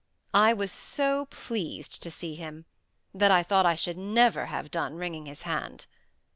I was so pleased to see him, that I thought I should never have done wringing his hand.